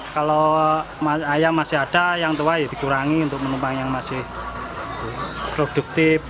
kalau ayam masih ada yang tua ya dikurangi untuk menumpang yang masih produktif